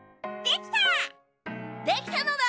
できたのだ！